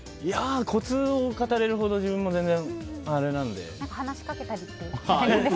コツを語れるほど自分も全然あれなので。